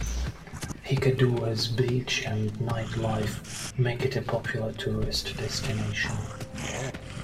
Hikkaduwa's beach and night life make it a popular tourist destination.